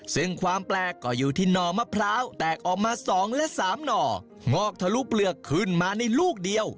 ซึ่งความแปลกก็อยู่ที่หน่อมะพร้าวแตกออกมา๒และ๓หน่องอกทะลุเปลือกขึ้นมาในลูกเดียว